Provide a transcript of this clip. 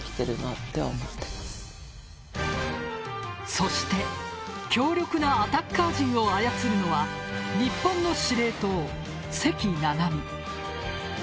そして強力なアタッカー陣を操るのは日本の司令塔、関菜々巳。